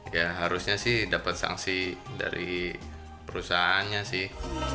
ya harusnya sih dapat sanksi dari perusahaannya sih